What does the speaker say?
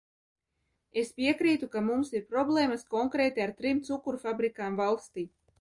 Es piekrītu, ka mums ir problēmas konkrēti ar trim cukurfabrikām valstī.